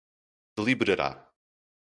deliberará